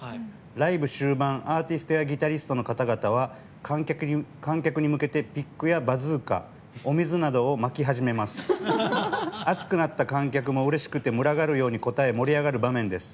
ライブ終盤、アーティストやギタリストの方々は観客に向けてピックやバズーカお水などを撒き始めます熱くなった観客もうれしくて、群がるように応え盛り上がる場面です。